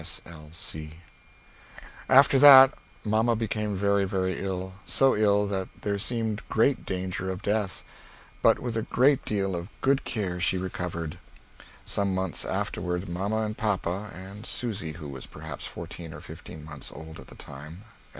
S. L. C.] After that, mamma became very very ill, so ill that there seemed great danger of death, but with a great deal of good care she recovered. Some months afterward mamma and papa [and Susy, who was perhaps fourteen or fifteen months old at the time.